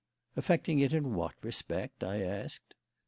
"Affecting it in what respect?" I asked.